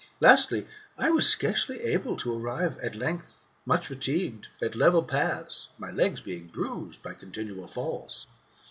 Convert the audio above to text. Lastly, I was scarcely able to arrive, at length, much fatigued, at level paths, my legs being bruised by coniinual falls.